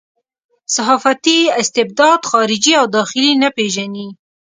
صحافتي استبداد خارجي او داخلي نه پېژني.